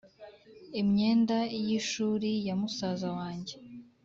Imyenda y’ishuri ya musaza wange